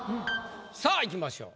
さあいきましょう。